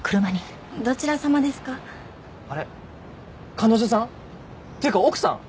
彼女さん？っていうか奥さん？